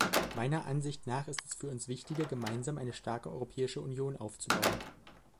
Meiner Ansicht nach ist es für uns wichtiger, gemeinsam eine starke Europäische Union aufzubauen.